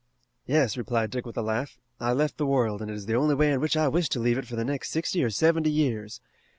"Yes," replied Dick with a laugh, "I left the world, and it is the only way in which I wish to leave it for the next sixty or seventy years.